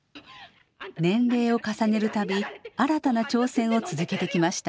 年齢を重ねるたび新たな挑戦を続けてきました。